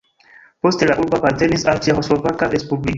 Poste la urbo apartenis al Ĉeĥoslovaka respubliko.